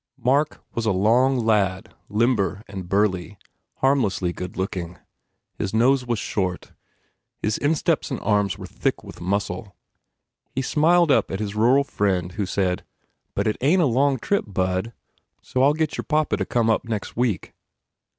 Mark was a long lad, limber and burly, harm lessly good looking. His nose was short. His insteps and arms were thick with muscle. He smiled up at his rural friend who said, "But it ain t a long trip, Bud. So I ll get your papa to come up nex week."